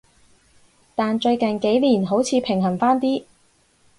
但最近幾年好似平衡返啲